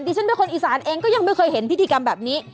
ฉันเป็นคนอีสานเองก็ยังไม่เคยเห็นพิธีกรรมแบบนี้